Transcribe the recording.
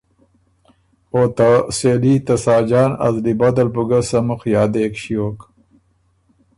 او ته سېلي ته ساجان ا زلی بد ال بُو ګه سمُخ یادېک ݭیوک۔